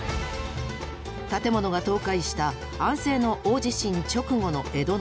建物が倒壊した安政の大地震直後の江戸の街。